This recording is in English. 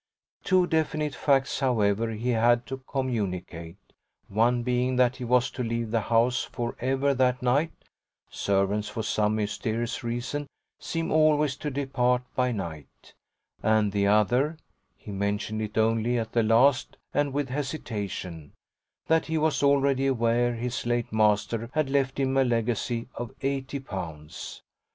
Two definite facts, however, he had to communicate; one being that he was to leave the house for ever that night (servants, for some mysterious reason, seem always to depart by night), and the other he mentioned it only at the last and with hesitation that he was already aware his late master had left him a legacy of eighty pounds.